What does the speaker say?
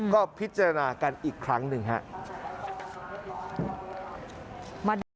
ก็พิจารณากันอีกครั้งหนึ่งครับ